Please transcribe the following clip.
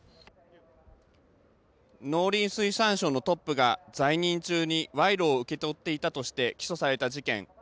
農林水産省のトップが在任中に賄賂を受け取っていたとして起訴された事件。